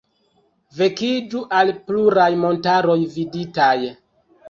Vekiĝu al pluraj montaroj viditaj.